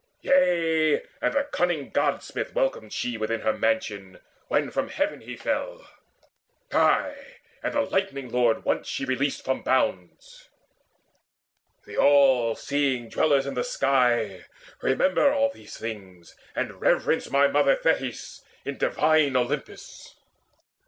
Yea, and the cunning God smith welcomed she Within her mansion, when from heaven he fell. Ay, and the Lightning lord she once released From bonds. The all seeing Dwellers in the Sky Remember all these things, and reverence My mother Thetis in divine Olympus.